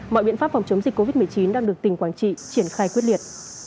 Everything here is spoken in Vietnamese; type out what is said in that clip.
mọi biện pháp phòng chống dịch covid một mươi chín đang được tỉnh quảng trị triển khai quyết liệt